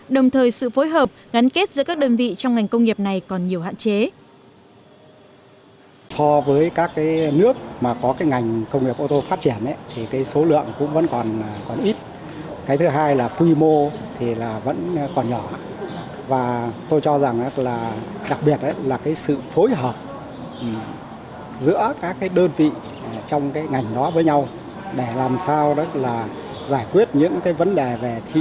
đồng thời sự phối hợp ngắn kết giữa các đơn vị trong ngành công nghiệp này còn nhiều hạn chế